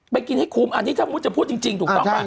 ไปกินให้คุ้มอันนี้ถ้าบุฟเฟ่จะพูดจริงถูกต้อง